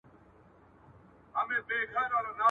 • د تيارې غم په رڼاکي خوره.